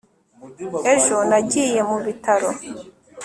ejo nagiye mu bitaro